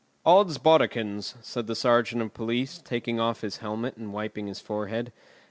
"Oddsbodikins!" said the sergeant of police, taking off his helmet and wiping his forehead.